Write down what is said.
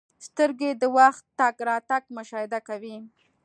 • سترګې د وخت تګ راتګ مشاهده کوي.